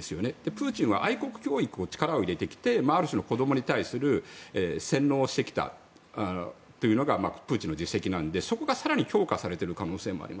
プーチンは愛国教育に力を入れてきてある種の子どもに対する洗脳をしてきたというのがプーチンの実績なのでそこが更に強化されている可能性もあります。